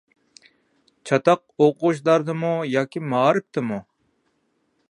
چاتاق ئوقۇغۇچىلاردىمۇ ياكى مائارىپتىمۇ؟